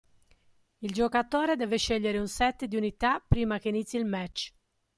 Il giocatore deve scegliere un set di unità prima che inizi il match.